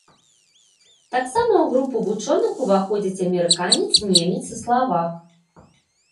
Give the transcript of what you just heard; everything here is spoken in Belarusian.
Таксама ў групу вучоных уваходзяць амерыканец, немец і славак.